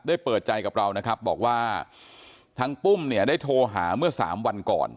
เปิดใจกับเรานะครับบอกว่าทางปุ้มเนี่ยได้โทรหาเมื่อสามวันก่อน